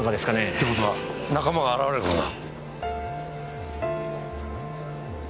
って事は仲間が現れるかもな。